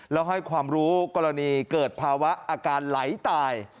แล้วให้ความรู้กรณีเกิดภาวะอาการไหลตาย